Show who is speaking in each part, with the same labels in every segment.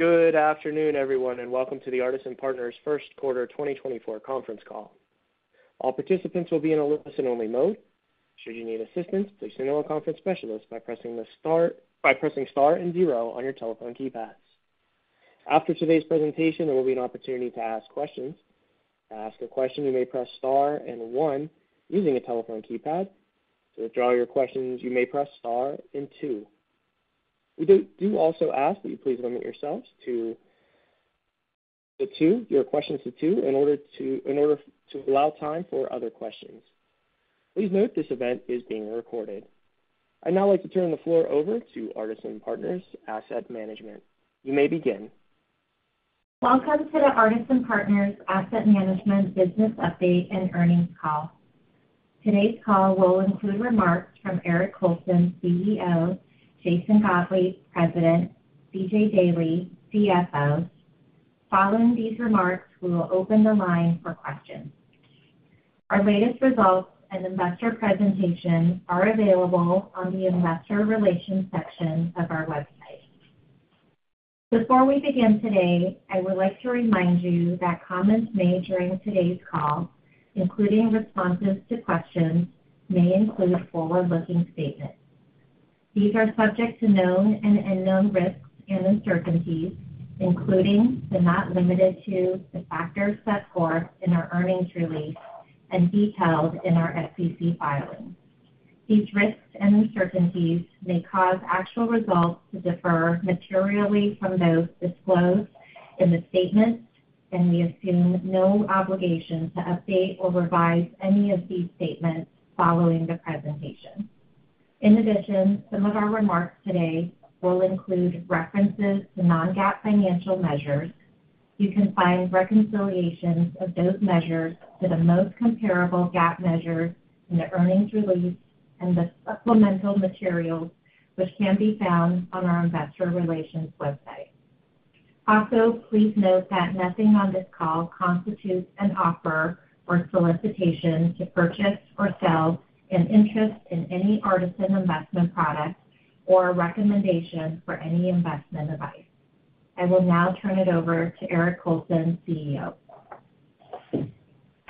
Speaker 1: Good afternoon, everyone, and welcome to the Artisan Partners First Quarter 2024 conference call. All participants will be in a listen-only mode. Should you need assistance, please signal a conference specialist by pressing the star and zero on your telephone keypads. After today's presentation, there will be an opportunity to ask questions. To ask a question, you may press star and one using a telephone keypad. To withdraw your questions, you may press star and two. We do also ask that you please limit yourselves to the two, your questions to two, in order to allow time for other questions. Please note this event is being recorded. I'd now like to turn the floor over to Artisan Partners Asset Management. You may begin.
Speaker 2: Welcome to the Artisan Partners Asset Management business update and earnings call. Today's call will include remarks from Eric Colson, CEO; Jason Gottlieb, President; C.J. Daley, CFO. Following these remarks, we will open the line for questions. Our latest results and investor presentations are available on the investor relations section of our website. Before we begin today, I would like to remind you that comments made during today's call, including responses to questions, may include forward-looking statements. These are subject to known and unknown risks and uncertainties, including but not limited to the factors set forth in our earnings release and detailed in our SEC filing. These risks and uncertainties may cause actual results to differ materially from those disclosed in the statements, and we assume no obligation to update or revise any of these statements following the presentation. In addition, some of our remarks today will include references to non-GAAP financial measures. You can find reconciliations of those measures to the most comparable GAAP measures in the earnings release and the supplemental materials, which can be found on our investor relations website. Also, please note that nothing on this call constitutes an offer or solicitation to purchase or sell an interest in any Artisan investment product or a recommendation for any investment advice. I will now turn it over to Eric Colson, CEO.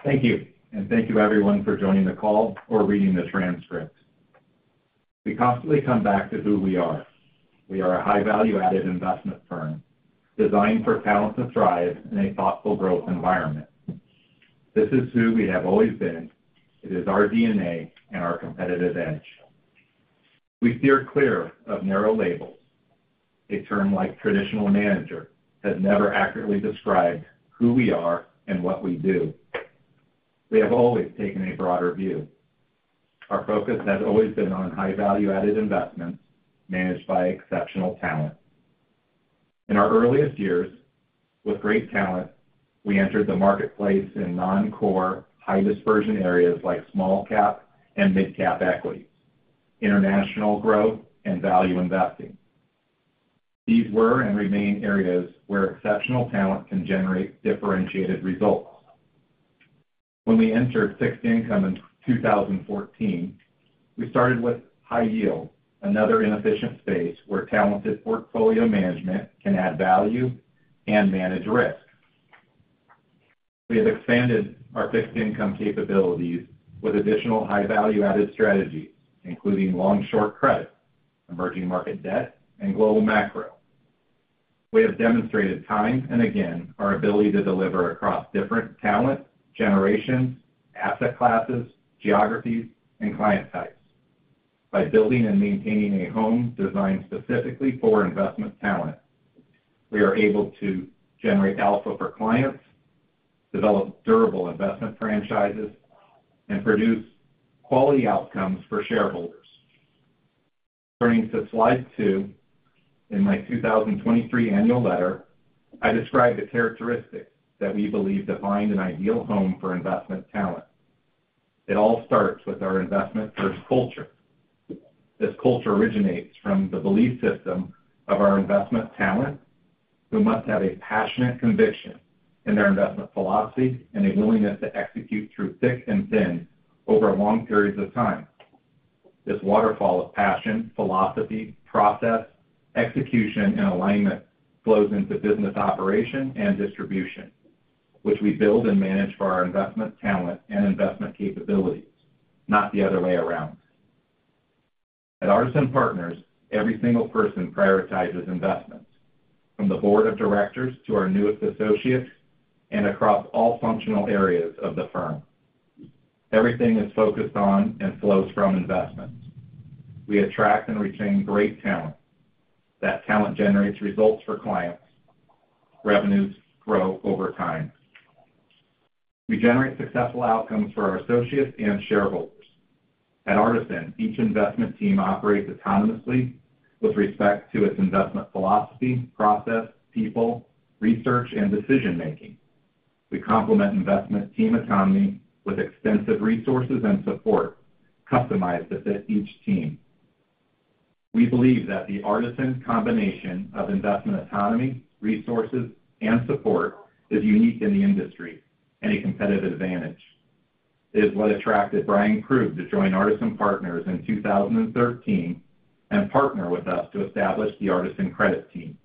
Speaker 3: Thank you, and thank you, everyone, for joining the call or reading the transcript. We constantly come back to who we are. We are a high-value-added investment firm designed for talent to thrive in a thoughtful growth environment. This is who we have always been. It is our DNA and our competitive edge. We steer clear of narrow labels. A term like traditional manager has never accurately described who we are and what we do. We have always taken a broader view. Our focus has always been on high-value-added investments managed by exceptional talent. In our earliest years, with great talent, we entered the marketplace in non-core, high-dispersion areas like small-cap and mid-cap equities, international growth, and value investing. These were and remain areas where exceptional talent can generate differentiated results. When we entered fixed income in 2014, we started with high yield, another inefficient space where talented portfolio management can add value and manage risk. We have expanded our fixed income capabilities with additional high-value-added strategies, including long-short credit, emerging market debt, and global macro. We have demonstrated time and again our ability to deliver across different talent generations, asset classes, geographies, and client types. By building and maintaining a home designed specifically for investment talent, we are able to generate alpha for clients, develop durable investment franchises, and produce quality outcomes for shareholders. Turning to slide two, in my 2023 annual letter, I describe the characteristics that we believe define an ideal home for investment talent. It all starts with our investment-first culture. This culture originates from the belief system of our investment talent who must have a passionate conviction in their investment philosophy and a willingness to execute through thick and thin over long periods of time. This waterfall of passion, philosophy, process, execution, and alignment flows into business operation and distribution, which we build and manage for our investment talent and investment capabilities, not the other way around. At Artisan Partners, every single person prioritizes investments, from the board of directors to our newest associates and across all functional areas of the firm. Everything is focused on and flows from investments. We attract and retain great talent. That talent generates results for clients. Revenues grow over time. We generate successful outcomes for our associates and shareholders. At Artisan, each investment team operates autonomously with respect to its investment philosophy, process, people, research, and decision-making. We complement investment team autonomy with extensive resources and support customized to fit each team. We believe that the Artisan combination of investment autonomy, resources, and support is unique in the industry and a competitive advantage. It is what attracted Bryan Krug to join Artisan Partners in 2013 and partner with us to establish the Artisan Credit Team.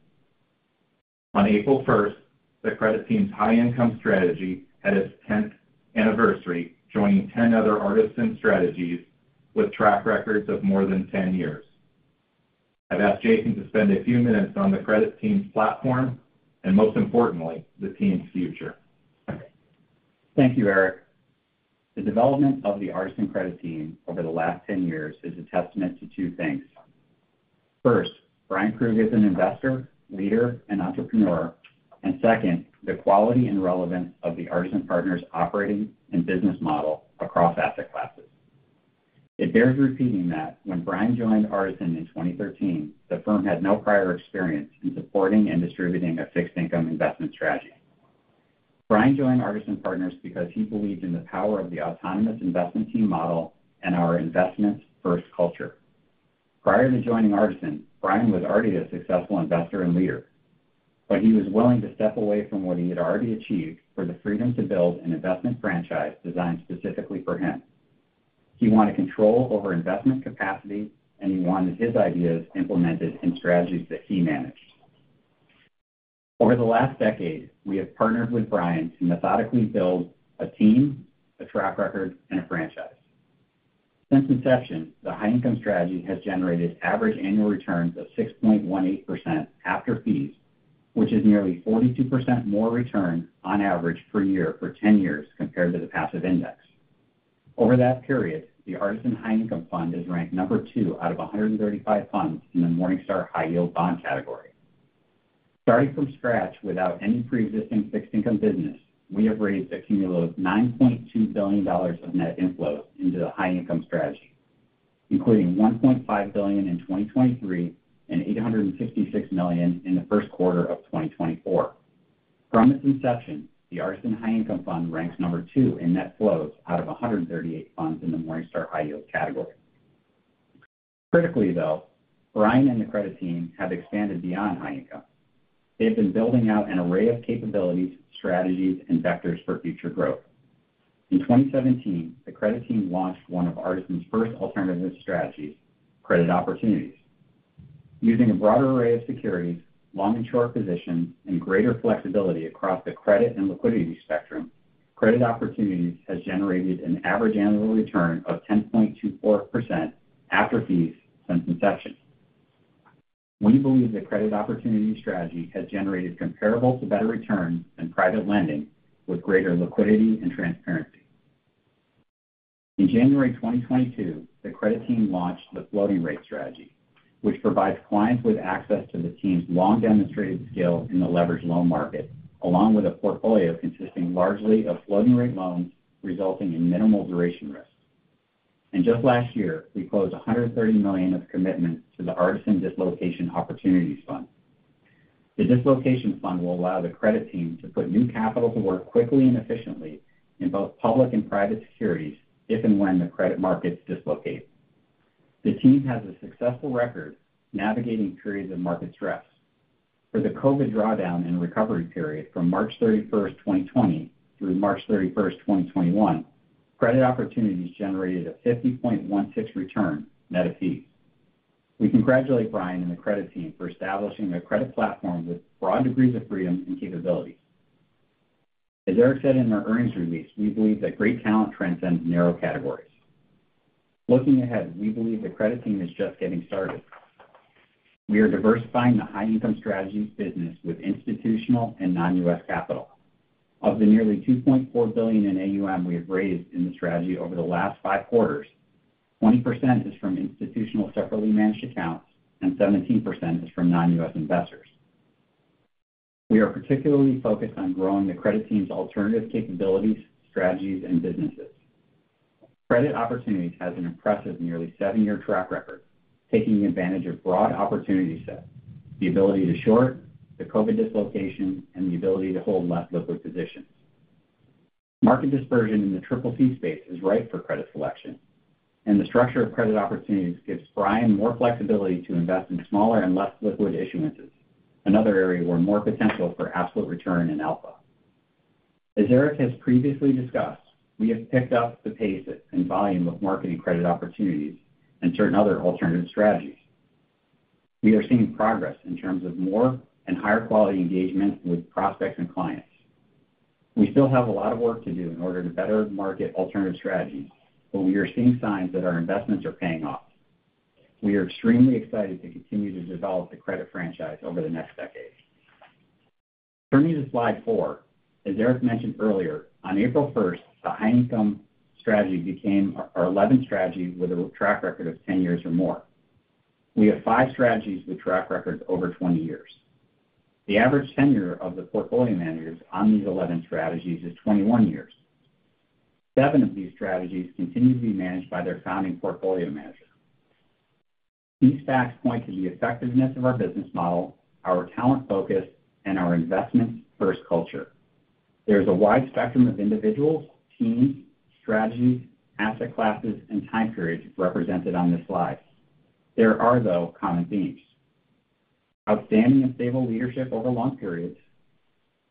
Speaker 3: On April 1st, the Credit Team's High Income strategy had its 10th anniversary, joining 10 other Artisan strategies with track records of more than 10 years. I've asked Jason to spend a few minutes on the Credit Team's platform and, most importantly, the team's future.
Speaker 4: Thank you, Eric. The development of the Artisan Credit Team over the last 10 years is a testament to two things. First, Bryan Krug is an investor, leader, and entrepreneur. And second, the quality and relevance of the Artisan Partners operating and business model across asset classes. It bears repeating that when Bryan joined Artisan in 2013, the firm had no prior experience in supporting and distributing a fixed-income investment strategy. Bryan joined Artisan Partners because he believed in the power of the autonomous investment team model and our investment-first culture. Prior to joining Artisan, Bryan was already a successful investor and leader, but he was willing to step away from what he had already achieved for the freedom to build an investment franchise designed specifically for him. He wanted control over investment capacity, and he wanted his ideas implemented in strategies that he managed. Over the last decade, we have partnered with Bryan to methodically build a team, a track record, and a franchise. Since inception, the high-income strategy has generated average annual returns of 6.18% after fees, which is nearly 42% more return on average per year for 10 years compared to the passive index. Over that period, the Artisan High Income Fund is ranked number two out of 135 funds in the Morningstar High Yield Bond category. Starting from scratch without any pre-existing fixed-income business, we have raised a cumulative $9.2 billion of net inflows into the high-income strategy, including $1.5 billion in 2023 and $856 million in the first quarter of 2024. From its inception, the Artisan High Income Fund ranks number two in net flows out of 138 funds in the Morningstar High Yield category. Critically, though, Bryan and the credit team have expanded beyond high income. They have been building out an array of capabilities, strategies, and vectors for future growth. In 2017, the credit team launched one of Artisan's first alternative strategies, Credit Opportunities. Using a broader array of securities, long and short positions, and greater flexibility across the credit and liquidity spectrum, Credit Opportunities have generated an average annual return of 10.24% after fees since inception. We believe the credit opportunity strategy has generated comparable to better returns than private lending with greater liquidity and transparency. In January 2022, the credit team launched the Floating Rate strategy, which provides clients with access to the team's long-demonstrated skill in the leveraged loan market, along with a portfolio consisting largely of floating-rate loans resulting in minimal duration risks. Just last year, we closed $130 million of commitment to the Artisan Dislocation Opportunities Fund. The Dislocation Fund will allow the credit team to put new capital to work quickly and efficiently in both public and private securities if and when the credit markets dislocate. The team has a successful record navigating periods of market stress. For the COVID drawdown and recovery period from March 31st, 2020, through March 31st, 2021, credit opportunities generated a 50.16% return net of fees. We congratulate Bryan and the credit team for establishing a credit platform with broad degrees of freedom and capabilities. As Eric said in our earnings release, we believe that great talent transcends narrow categories. Looking ahead, we believe the credit team is just getting started. We are diversifying the high-income strategies business with institutional and non-US capital. Of the nearly $2.4 billion in AUM we have raised in the strategy over the last five quarters, 20% is from institutional separately managed accounts, and 17% is from non-US investors. We are particularly focused on growing the credit team's alternative capabilities, strategies, and businesses. Credit Opportunities has an impressive nearly seven-year track record, taking advantage of broad opportunity sets, the ability to short, the COVID dislocation, and the ability to hold less liquid positions. Market dispersion in the CCC space is ripe for credit selection, and the structure of Credit Opportunities gives Bryan more flexibility to invest in smaller and less liquid issuances, another area where more potential for absolute return and alpha. As Eric has previously discussed, we have picked up the pace and volume of marketing Credit Opportunities and certain other alternative strategies. We are seeing progress in terms of more and higher-quality engagement with prospects and clients. We still have a lot of work to do in order to better market alternative strategies, but we are seeing signs that our investments are paying off. We are extremely excited to continue to develop the credit franchise over the next decade. Turning to slide 4, as Eric mentioned earlier, on April 1st, the high-income strategy became our 11th strategy with a track record of 10 years or more. We have five strategies with track records over 20 years. The average tenure of the portfolio managers on these 11 strategies is 21 years. Seven of these strategies continue to be managed by their founding portfolio manager. These facts point to the effectiveness of our business model, our talent focus, and our investment-first culture. There is a wide spectrum of individuals, teams, strategies, asset classes, and time periods represented on this slide. There are, though, common themes: outstanding and stable leadership over long periods,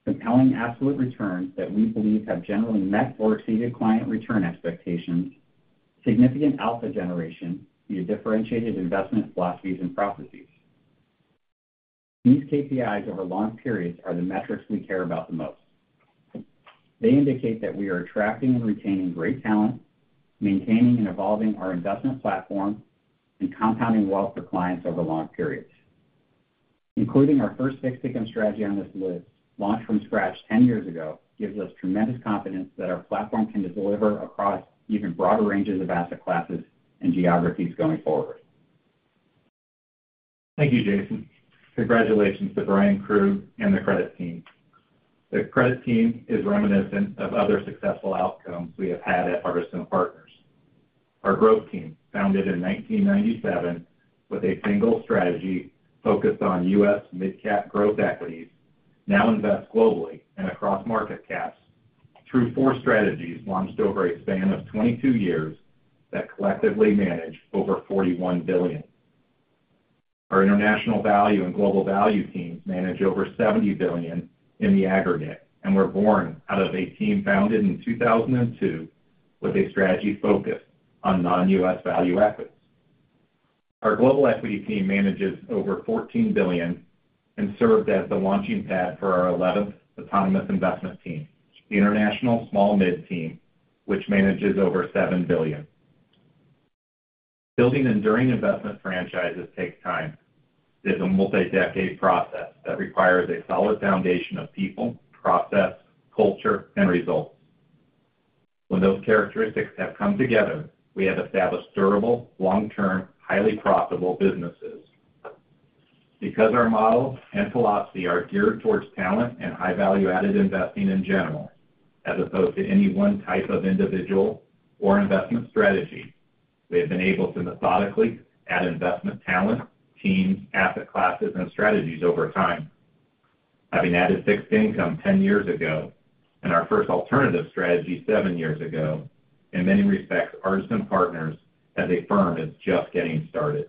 Speaker 4: compelling absolute returns that we believe have generally met or exceeded client return expectations, significant alpha generation via differentiated investment philosophies and processes. These KPIs over long periods are the metrics we care about the most. They indicate that we are attracting and retaining great talent, maintaining and evolving our investment platform, and compounding wealth for clients over long periods. Including our first fixed-income strategy on this list, launched from scratch 10 years ago, gives us tremendous confidence that our platform can deliver across even broader ranges of asset classes and geographies going forward.
Speaker 3: Thank you, Jason. Congratulations to Bryan Krug and the credit team. The credit team is reminiscent of other successful outcomes we have had at Artisan Partners. Our Growth Team, founded in 1997 with a single strategy focused on U.S. mid-cap growth equities, now invests globally and across market caps through four strategies launched over a span of 22 years that collectively manage over $41 billion. Our International Value and Global Value teams manage over $70 billion in the aggregate, and we're born out of a team founded in 2002 with a strategy focused on non-U.S. value equities. Our Global Equity Team manages over $14 billion and served as the launching pad for our 11th autonomous investment team, the International Small-Mid Team, which manages over $7 billion. Building enduring investment franchises takes time. It is a multi-decade process that requires a solid foundation of people, process, culture, and results. When those characteristics have come together, we have established durable, long-term, highly profitable businesses. Because our model and philosophy are geared towards talent and high-value-added investing in general, as opposed to any one type of individual or investment strategy, we have been able to methodically add investment talent, teams, asset classes, and strategies over time. Having added fixed income 10 years ago and our first alternative strategy 7 years ago, in many respects, Artisan Partners as a firm is just getting started.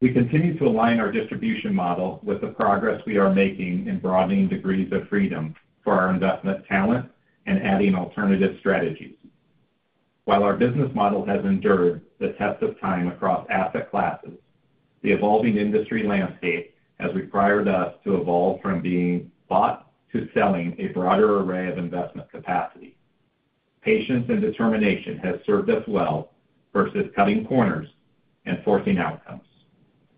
Speaker 3: We continue to align our distribution model with the progress we are making in broadening degrees of freedom for our investment talent and adding alternative strategies. While our business model has endured the test of time across asset classes, the evolving industry landscape has required us to evolve from being bought to selling a broader array of investment capacity. Patience and determination have served us well versus cutting corners and forcing outcomes.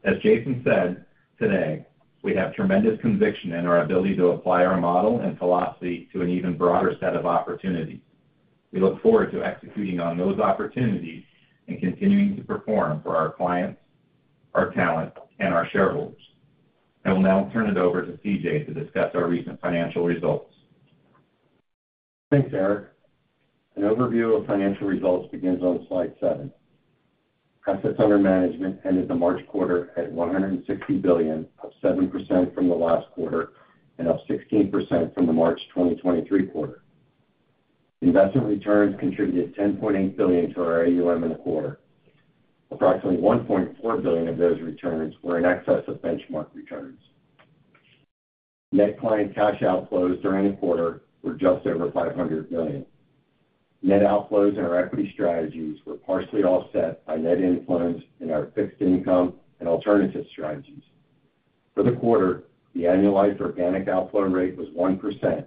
Speaker 3: As Jason said today, we have tremendous conviction in our ability to apply our model and philosophy to an even broader set of opportunities. We look forward to executing on those opportunities and continuing to perform for our clients, our talent, and our shareholders. I will now turn it over to C.J. to discuss our recent financial results.
Speaker 5: Thanks, Eric. An overview of financial results begins on slide 7. Assets under management ended the March quarter at $160 billion, up 7% from the last quarter and up 16% from the March 2023 quarter. Investment returns contributed $10.8 billion to our AUM in the quarter. Approximately $1.4 billion of those returns were in excess of benchmark returns. Net client cash outflows during the quarter were just over $500 billion. Net outflows in our equity strategies were partially offset by net inflows in our fixed-income and alternative strategies. For the quarter, the annualized organic outflow rate was 1%,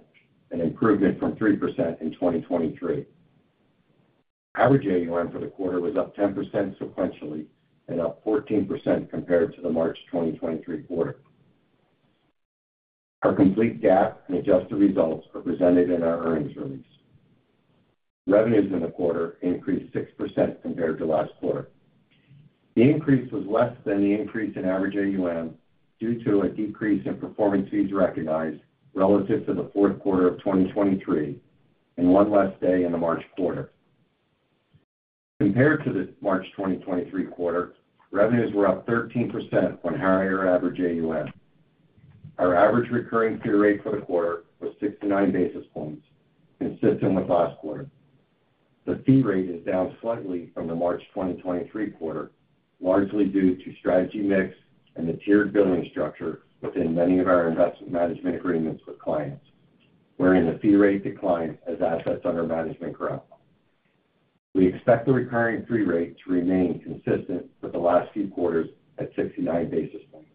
Speaker 5: an improvement from 3% in 2023. Average AUM for the quarter was up 10% sequentially and up 14% compared to the March 2023 quarter. Our complete GAAP and adjusted results are presented in our earnings release. Revenues in the quarter increased 6% compared to last quarter. The increase was less than the increase in average AUM due to a decrease in performance fees recognized relative to the fourth quarter of 2023 and one less day in the March quarter. Compared to the March 2023 quarter, revenues were up 13% on higher average AUM. Our average recurring fee rate for the quarter was 69 basis points, consistent with last quarter. The fee rate is down slightly from the March 2023 quarter, largely due to strategy mix and the tiered billing structure within many of our investment management agreements with clients, wherein the fee rate declines as assets under management grow. We expect the recurring fee rate to remain consistent for the last few quarters at 69 basis points.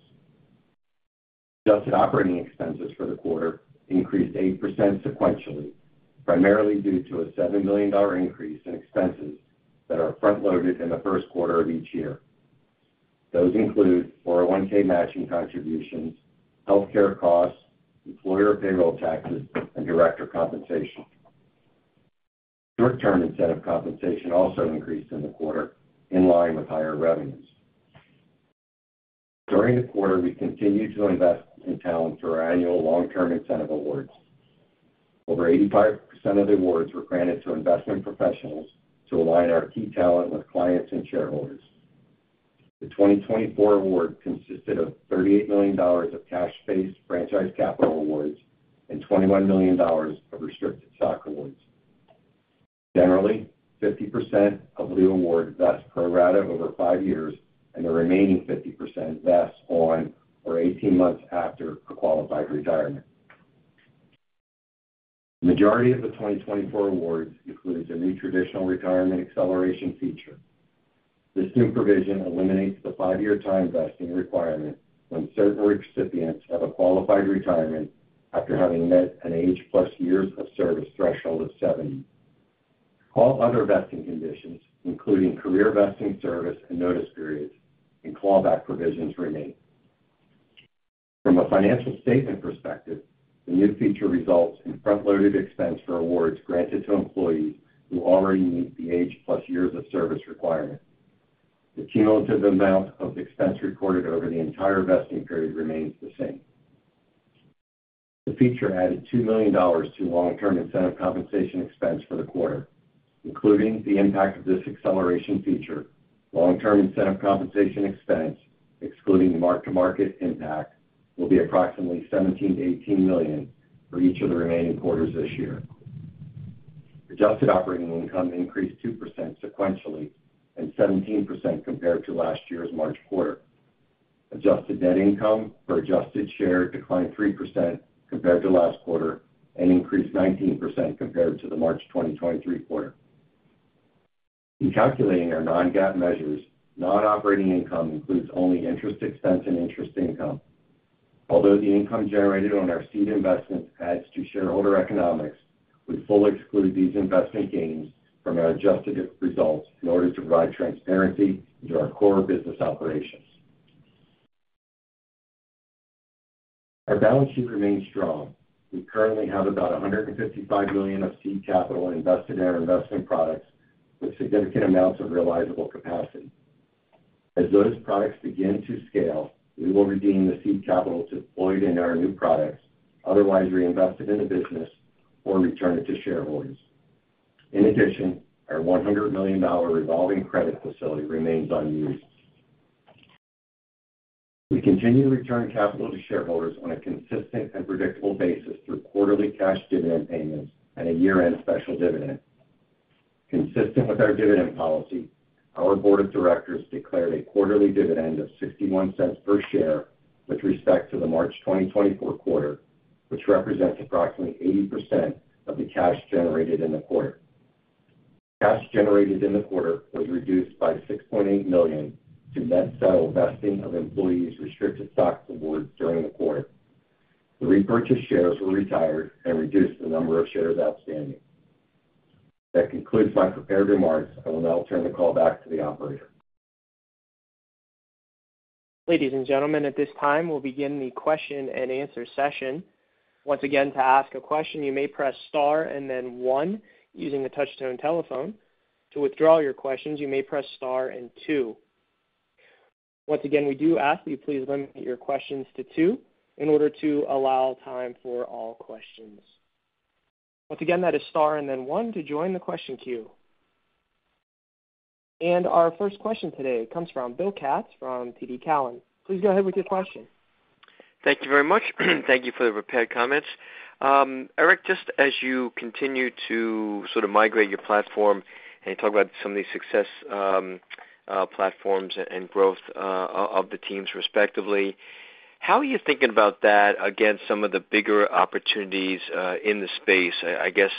Speaker 5: Adjusted operating expenses for the quarter increased 8% sequentially, primarily due to a $7 million increase in expenses that are front-loaded in the first quarter of each year. Those include 401(k) matching contributions, healthcare costs, employer payroll taxes, and director compensation. Short-term incentive compensation also increased in the quarter in line with higher revenues. During the quarter, we continued to invest in talent through our annual long-term incentive awards. Over 85% of the awards were granted to investment professionals to align our key talent with clients and shareholders. The 2024 award consisted of $38 million of cash-based franchise capital awards and $21 million of restricted stock awards. Generally, 50% of the award vests pro rata over five years, and the remaining 50% vests on or 18 months after a qualified retirement. The majority of the 2024 awards includes a new traditional retirement acceleration feature. This new provision eliminates the five-year-time vesting requirement when certain recipients have a qualified retirement after having met an age-plus years of service threshold of 70. All other vesting conditions, including career vesting service and notice periods, and callback provisions remain. From a financial statement perspective, the new feature results in front-loaded expense for awards granted to employees who already meet the age-plus years of service requirement. The cumulative amount of expense recorded over the entire vesting period remains the same. The feature added $2 million to long-term incentive compensation expense for the quarter. Including the impact of this acceleration feature, long-term incentive compensation expense, excluding the mark-to-market impact, will be approximately $17 million-$18 million for each of the remaining quarters this year. Adjusted operating income increased 2% sequentially and 17% compared to last year's March quarter. Adjusted net income for adjusted shares declined 3% compared to last quarter and increased 19% compared to the March 2023 quarter. In calculating our non-GAAP measures, non-operating income includes only interest expense and interest income. Although the income generated on our seed investments adds to shareholder economics, we fully exclude these investment gains from our adjusted results in order to provide transparency into our core business operations. Our balance sheet remains strong. We currently have about $155 million of seed capital invested in our investment products with significant amounts of realizable capacity. As those products begin to scale, we will redeem the seed capital deployed in our new products, otherwise reinvested in the business, or return it to shareholders. In addition, our $100 million revolving credit facility remains unused. We continue to return capital to shareholders on a consistent and predictable basis through quarterly cash dividend payments and a year-end special dividend. Consistent with our dividend policy, our board of directors declared a quarterly dividend of $0.61 per share with respect to the March 2024 quarter, which represents approximately 80% of the cash generated in the quarter. Cash generated in the quarter was reduced by $6.8 million to net settled vesting of employees' restricted stock awards during the quarter. The repurchased shares were retired and reduced the number of shares outstanding. That concludes my prepared remarks. I will now turn the call back to the operator.
Speaker 1: Ladies and gentlemen, at this time, we'll begin the question and answer session. Once again, to ask a question, you may press star and then one using the touch-tone telephone. To withdraw your questions, you may press star and two. Once again, we do ask that you please limit your questions to two in order to allow time for all questions. Once again, that is star and then one to join the question queue. Our first question today comes from Bill Katz from TD Cowen. Please go ahead with your question.
Speaker 6: Thank you very much. Thank you for the prepared comments. Eric, just as you continue to sort of migrate your platform and talk about some of these success platforms and growth of the teams, respectively, how are you thinking about that against some of the bigger opportunities in the space? I guess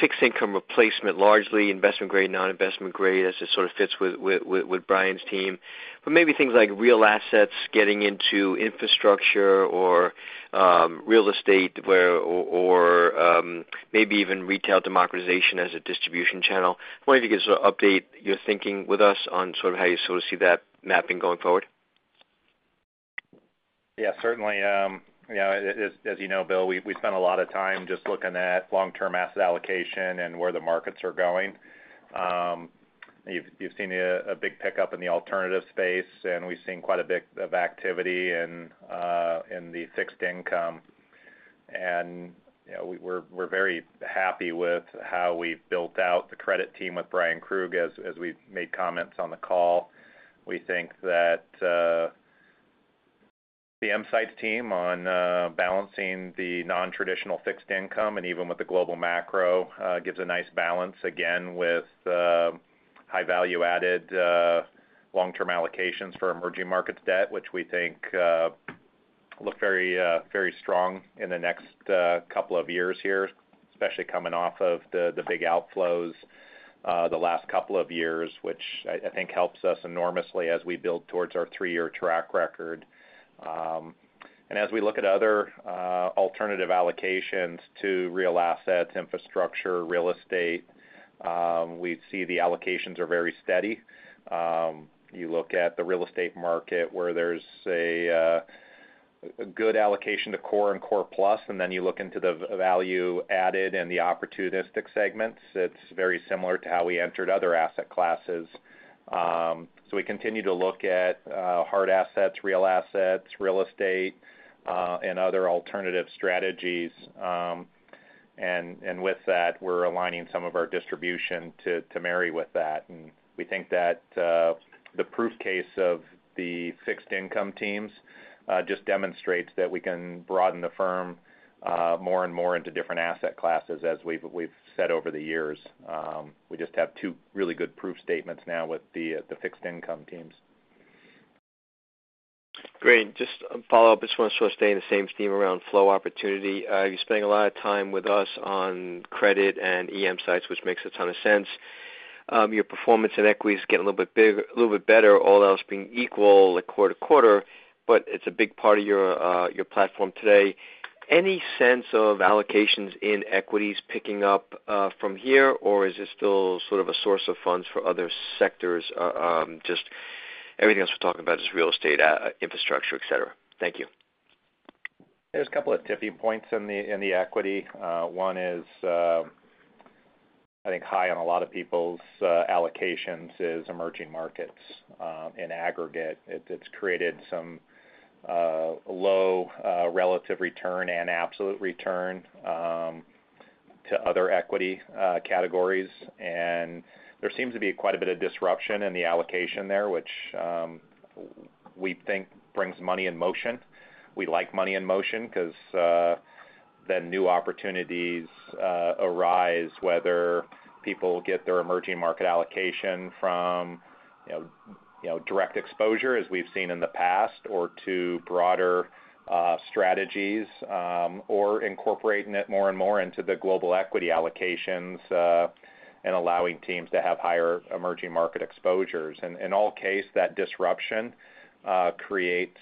Speaker 6: fixed income replacement, largely investment-grade, non-investment-grade, as it sort of fits with Bryan's team, but maybe things like real assets getting into infrastructure or real estate or maybe even retail democratization as a distribution channel. I wonder if you could sort of update your thinking with us on sort of how you sort of see that mapping going forward.
Speaker 3: Yeah, certainly. As you know, Bill, we spent a lot of time just looking at long-term asset allocation and where the markets are going. You've seen a big pickup in the alternative space, and we've seen quite a bit of activity in the fixed income. We're very happy with how we've built out the credit team with Bryan Krug. As we made comments on the call, we think that the MSITE's team on balancing the non-traditional fixed income and even with the global macro gives a nice balance, again, with high-value-added long-term allocations for emerging markets debt, which we think look very strong in the next couple of years here, especially coming off of the big outflows the last couple of years, which I think helps us enormously as we build towards our three-year track record. As we look at other alternative allocations to real assets, infrastructure, real estate, we see the allocations are very steady. You look at the real estate market where there's a good allocation to core and core plus, and then you look into the value-added and the opportunistic segments; it's very similar to how we entered other asset classes. So we continue to look at hard assets, real assets, real estate, and other alternative strategies. And with that, we're aligning some of our distribution to marry with that. And we think that the proof case of the fixed income teams just demonstrates that we can broaden the firm more and more into different asset classes, as we've said over the years. We just have two really good proof statements now with the fixed income teams.
Speaker 6: Great. Just a follow-up. I just want to sort of stay in the same theme around flow opportunity. You're spending a lot of time with us on credit and EM sides, which makes a ton of sense. Your performance in equity is getting a little bit better, all else being equal quarter to quarter, but it's a big part of your platform today. Any sense of allocations in equities picking up from here, or is it still sort of a source of funds for other sectors? Just everything else we're talking about is real estate, infrastructure, etc. Thank you.
Speaker 3: There's a couple of toppy points in the equity. One is, I think, high on a lot of people's allocations is emerging markets in aggregate. It's created some low relative return and absolute return to other equity categories. And there seems to be quite a bit of disruption in the allocation there, which we think brings money in motion. We like money in motion because then new opportunities arise, whether people get their emerging market allocation from direct exposure, as we've seen in the past, or to broader strategies, or incorporating it more and more into the global equity allocations and allowing teams to have higher emerging market exposures. In all cases, that disruption creates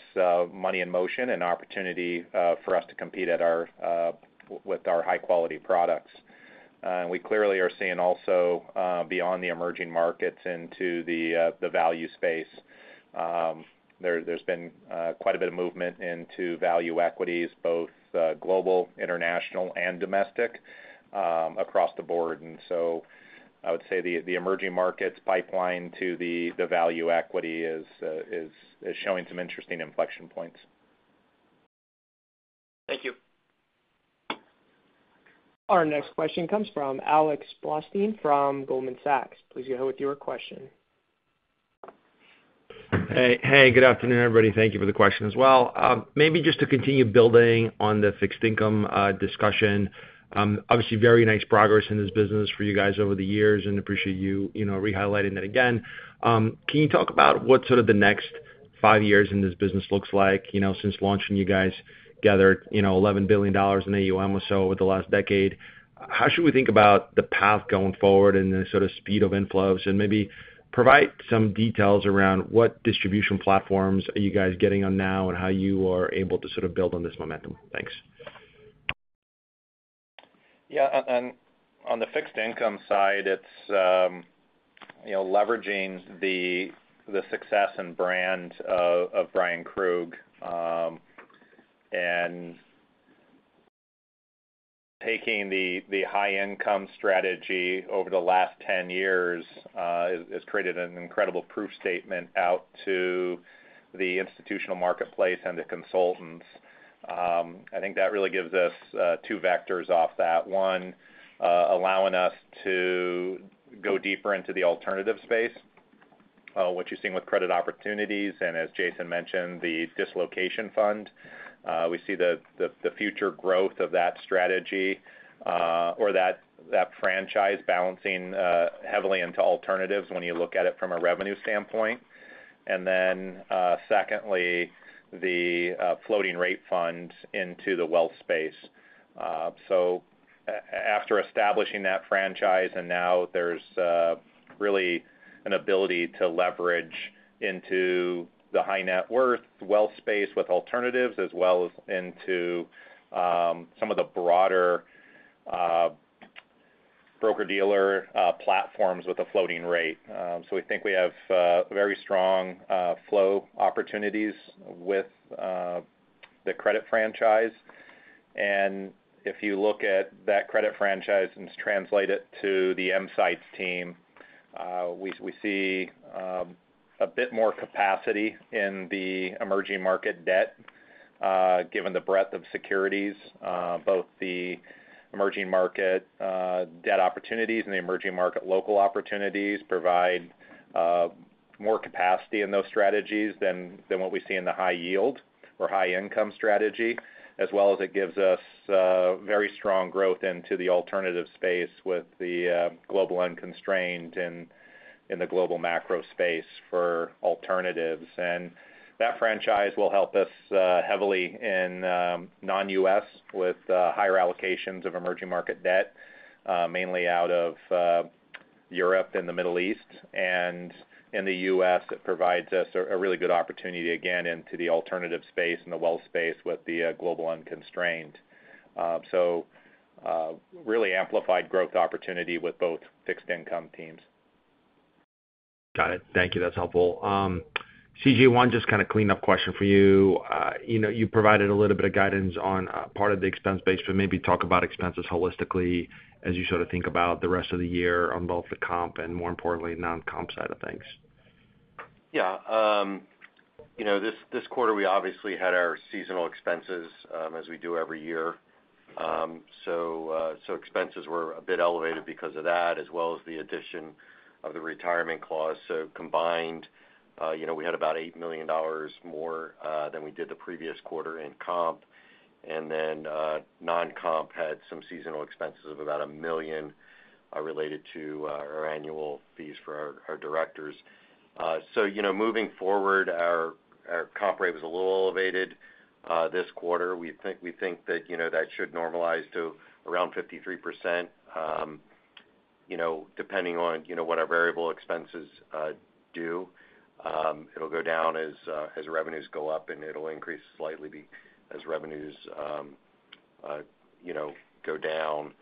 Speaker 3: money in motion and opportunity for us to compete with our high-quality products. And we clearly are seeing also beyond the emerging markets into the value space. There's been quite a bit of movement into value equities, both global, international, and domestic across the board. And so I would say the emerging markets pipeline to the value equity is showing some interesting inflection points.
Speaker 6: Thank you.
Speaker 1: Our next question comes from Alex Blostein from Goldman Sachs. Please go ahead with your question.
Speaker 7: Hey. Hey. Good afternoon, everybody. Thank you for the question as well. Maybe just to continue building on the fixed income discussion, obviously, very nice progress in this business for you guys over the years, and appreciate you re-highlighting that again. Can you talk about what sort of the next five years in this business looks like since launching? You guys gathered $11 billion in AUM or so over the last decade. How should we think about the path going forward and the sort of speed of inflows? Maybe provide some details around what distribution platforms are you guys getting on now and how you are able to sort of build on this momentum. Thanks.
Speaker 3: Yeah. And on the fixed income side, it's leveraging the success and brand of Bryan Krug and taking the high-income strategy over the last 10 years has created an incredible proof statement out to the institutional marketplace and the consultants. I think that really gives us two vectors off that. One, allowing us to go deeper into the alternative space, what you're seeing with credit opportunities and, as Jason mentioned, the dislocation fund. We see the future growth of that strategy or that franchise balancing heavily into alternatives when you look at it from a revenue standpoint. And then secondly, the floating-rate fund into the wealth space. So after establishing that franchise, and now there's really an ability to leverage into the high-net-worth wealth space with alternatives as well as into some of the broader broker-dealer platforms with a floating rate. We think we have very strong flow opportunities with the credit franchise. If you look at that credit franchise and translate it to the EM team's, we see a bit more capacity in the emerging market debt given the breadth of securities. Both the emerging market debt opportunities and the emerging market local opportunities provide more capacity in those strategies than what we see in the high-yield or high-income strategy, as well as it gives us very strong growth into the alternative space with the Global Unconstrained and in the global macro space for alternatives. That franchise will help us heavily in non-US with higher allocations of emerging market debt, mainly out of Europe and the Middle East. In the US, it provides us a really good opportunity, again, into the alternative space and the wealth space with the Global Unconstrained. Really amplified growth opportunity with both fixed income teams.
Speaker 7: Got it. Thank you. That's helpful. C.J., one just kind of cleanup question for you. You provided a little bit of guidance on part of the expense base, but maybe talk about expenses holistically as you sort of think about the rest of the year on both the comp and, more importantly, non-comp side of things.
Speaker 5: Yeah. This quarter, we obviously had our seasonal expenses as we do every year. So expenses were a bit elevated because of that, as well as the addition of the retirement clause. So combined, we had about $8 million more than we did the previous quarter in comp. And then non-comp had some seasonal expenses of about $1 million related to our annual fees for our directors. So moving forward, our comp rate was a little elevated this quarter. We think that that should normalize to around 53%. Depending on what our variable expenses do, it'll go down as revenues go up, and it'll increase slightly as revenues go down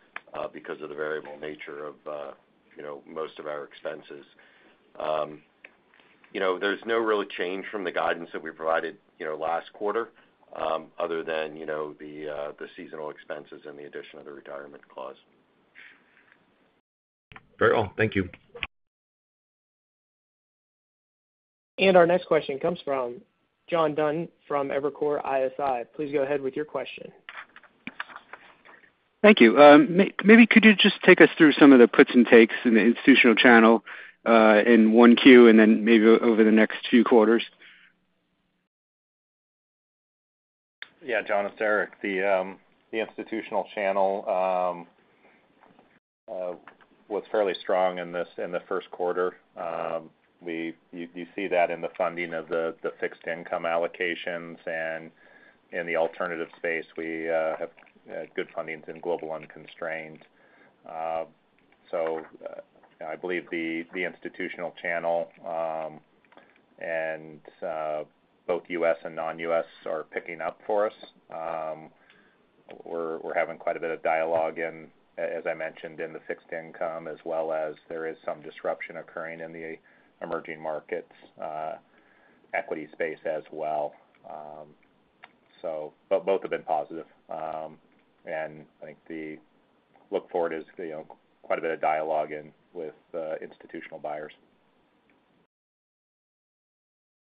Speaker 5: because of the variable nature of most of our expenses. There's no real change from the guidance that we provided last quarter other than the seasonal expenses and the addition of the retirement clause.
Speaker 7: Very well. Thank you.
Speaker 1: Our next question comes from John Dunn from Evercore ISI. Please go ahead with your question.
Speaker 8: Thank you. Maybe could you just take us through some of the puts and takes in the institutional channel in Q1 and then maybe over the next few quarters?
Speaker 3: Yeah. John, it's Eric. The institutional channel was fairly strong in the first quarter. You see that in the funding of the fixed income allocations. In the alternative space, we have good fundings in global unconstrained. I believe the institutional channel and both U.S. and non-U.S. are picking up for us. We're having quite a bit of dialogue in, as I mentioned, in the fixed income as well as there is some disruption occurring in the emerging markets equity space as well. But both have been positive. I think the look forward is quite a bit of dialogue with institutional buyers.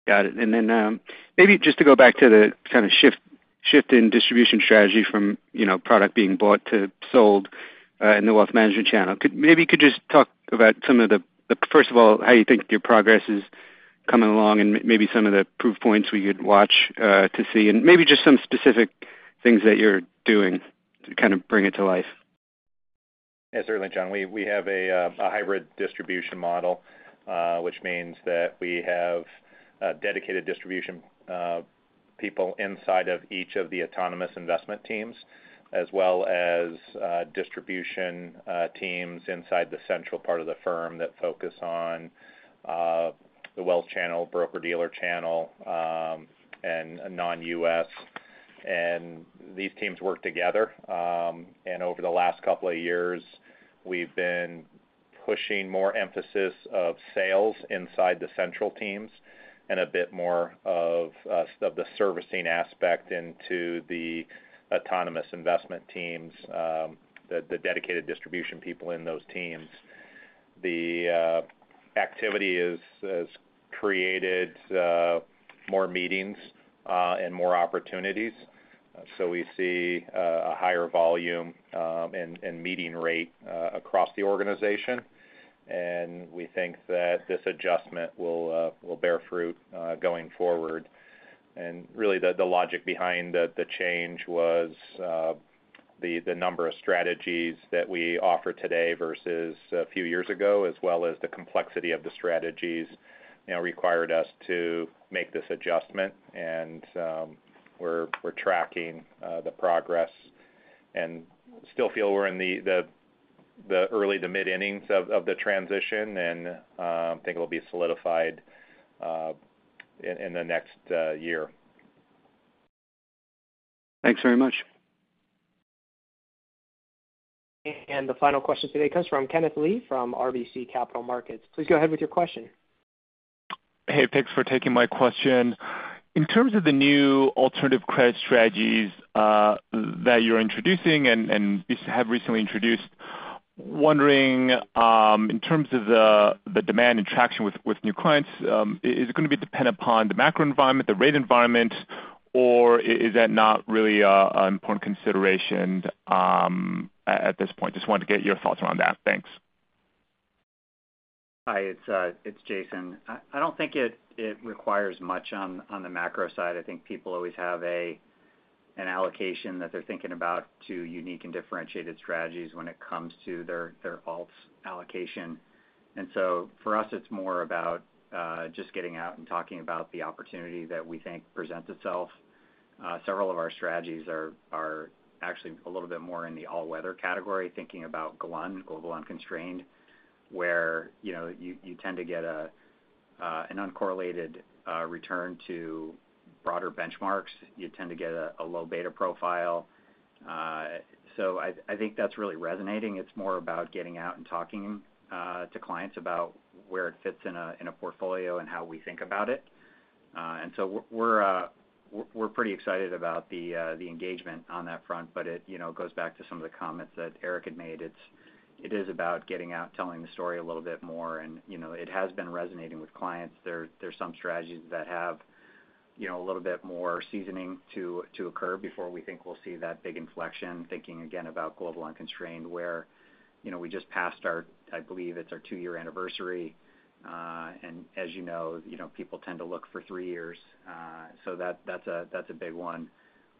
Speaker 8: Got it. And then maybe just to go back to the kind of shift in distribution strategy from product being bought to sold in the wealth management channel, maybe you could just talk about some of the first of all, how you think your progress is coming along and maybe some of the proof points we could watch to see and maybe just some specific things that you're doing to kind of bring it to life?
Speaker 3: Yeah, certainly, John. We have a hybrid distribution model, which means that we have dedicated distribution people inside of each of the autonomous investment teams as well as distribution teams inside the central part of the firm that focus on the wealth channel, broker-dealer channel, and non-U.S. And these teams work together. And over the last couple of years, we've been pushing more emphasis of sales inside the central teams and a bit more of the servicing aspect into the autonomous investment teams, the dedicated distribution people in those teams. The activity has created more meetings and more opportunities. So we see a higher volume and meeting rate across the organization. And we think that this adjustment will bear fruit going forward. Really, the logic behind the change was the number of strategies that we offer today versus a few years ago, as well as the complexity of the strategies required us to make this adjustment. We're tracking the progress and still feel we're in the early to mid-innings of the transition and think it'll be solidified in the next year.
Speaker 8: Thanks very much.
Speaker 1: The final question today comes from Kenneth Lee from RBC Capital Markets. Please go ahead with your question.
Speaker 9: Hey. Thanks for taking my question. In terms of the new alternative credit strategies that you're introducing and have recently introduced, wondering, in terms of the demand and traction with new clients, is it going to be dependent upon the macro environment, the rate environment, or is that not really an important consideration at this point? Just wanted to get your thoughts around that. Thanks.
Speaker 4: Hi. It's Jason. I don't think it requires much on the macro side. I think people always have an allocation that they're thinking about to unique and differentiated strategies when it comes to their alts allocation. And so for us, it's more about just getting out and talking about the opportunity that we think presents itself. Several of our strategies are actually a little bit more in the all-weather category, thinking about GLUN, global unconstrained, where you tend to get an uncorrelated return to broader benchmarks. You tend to get a low beta profile. So I think that's really resonating. It's more about getting out and talking to clients about where it fits in a portfolio and how we think about it. And so we're pretty excited about the engagement on that front. But it goes back to some of the comments that Eric had made. It is about getting out, telling the story a little bit more. It has been resonating with clients. There's some strategies that have a little bit more seasoning to occur before we think we'll see that big inflection, thinking again about global unconstrained, where we just passed our I believe it's our 2-year anniversary. As you know, people tend to look for 3 years. So that's a big one.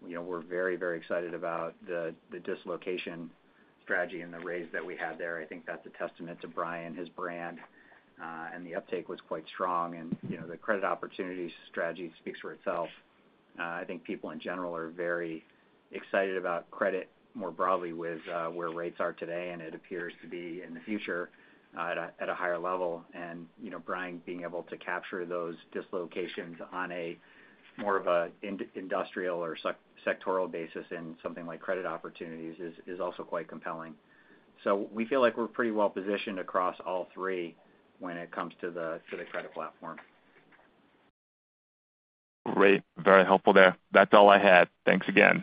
Speaker 4: We're very, very excited about the Dislocation strategy and the raise that we had there. I think that's a testament to Bryan, his brand. The uptake was quite strong. The credit opportunities strategy speaks for itself. I think people in general are very excited about credit more broadly with where rates are today, and it appears to be in the future at a higher level. Bryan being able to capture those dislocations on more of an industrial or sectoral basis in something like credit opportunities is also quite compelling. We feel like we're pretty well-positioned across all three when it comes to the credit platform.
Speaker 9: Great. Very helpful there. That's all I had. Thanks again.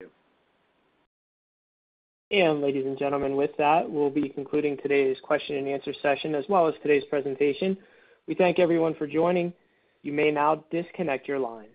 Speaker 4: Thank you.
Speaker 1: Ladies and gentlemen, with that, we'll be concluding today's question-and-answer session as well as today's presentation. We thank everyone for joining. You may now disconnect your lines.